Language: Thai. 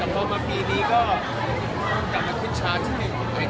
แต่พอมาปีนี้ก็กลับมาขึ้นชาร์จที่๑ปี๒อะไรอย่างนี้นะ